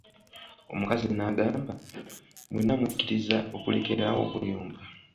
Omukazi n'agamba, mwena mukiliza okulekela awo okuyomba?